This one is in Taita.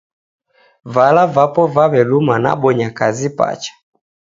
Vala vapo vaw'eluma nabonya kazi pacha.